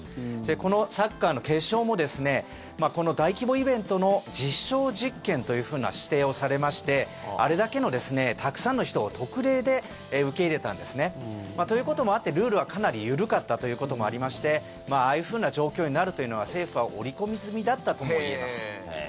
このサッカーの決勝も大規模イベントの実証実験という指定をされましてあれだけのたくさんの人を特例で受け入れたんですね。ということもあってルールはかなり緩かったということもありましてああいうふうな状況になるのは政府は織り込み済みだったとも言えます。